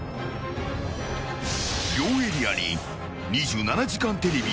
両エリアに「２７時間テレビ」